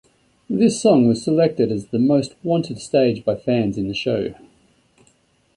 This song was selected as the most wanted stage by fans in the show.